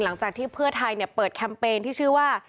หลังจากที่เพื่อไทยเปิดแคมเปญที่ชื่อว่า